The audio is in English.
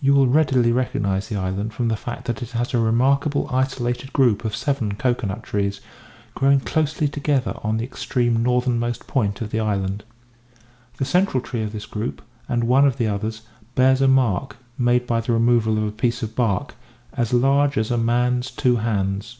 You will readily recognise the island from the fact that it has a remarkable isolated group of seven cocoa nut trees growing closely together on the extreme northernmost point of the island. The central tree of this group, and one of the others, bears a mark (made by the removal of a piece of bark) as large as a man's two hands.